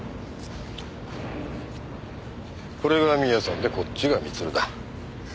これが宮さんでこっちが光留だ。